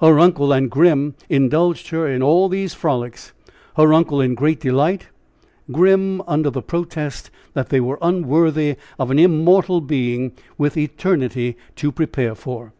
Her uncle and Grim indulged her in all these frolics her uncle in great delight; Grim, under the protest that they were unworthy of an immortal being with eternity to prepare for.